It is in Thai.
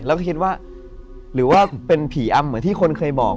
แล้วก็คิดว่าหรือว่าเป็นผีอำเหมือนที่คนเคยบอก